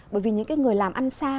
bởi vì những cái người làm ăn xa